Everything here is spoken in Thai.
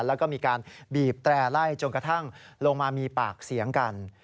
แล้วก็มีการบีบแตร่ไล่จนกระทั่งลงมามีปากเสียงกัน